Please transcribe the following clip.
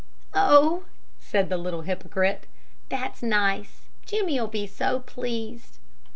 "Oh," said the little hypocrite, "that's nice! Jimmie'll be so pleased."